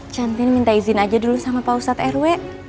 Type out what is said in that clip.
cantin minta izin aja dulu sama pak ustadz rw